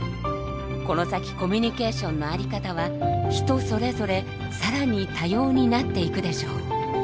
この先コミュニケーションの在り方は人それぞれ更に多様になっていくでしょう。